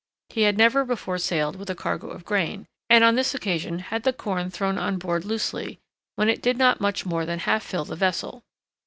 He had never before sailed with a cargo of grain, and on this occasion had the corn thrown on board loosely, when it did not much more than half fill the vessel.